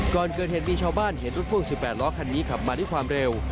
ก่อนเกิดเหตุมีชาวบ้านเห็นรถพ่วง๑๘ล้อคันนี้ขับมาด้วยความเร็ว